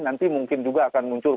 nanti mungkin juga akan muncul